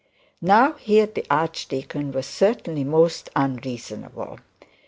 Now here the archdeacon was certainly the most unreasonable.